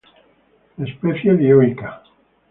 Especie dioica.